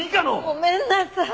ごめんなさい！